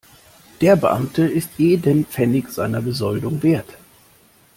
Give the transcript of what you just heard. Der Beamte ist jeden Pfennig seiner Besoldung wert.